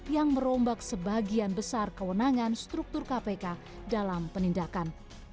yang merombak sebagian besar kewenangan struktur kpk dalam penindakan